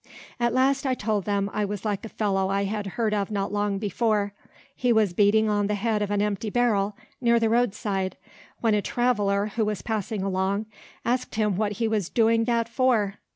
At last I told them I was like a fellow I had heard of not long before. He was beating on the head of an empty barrel near the road side, when a traveler, who was passing along, asked him what he was doing that for?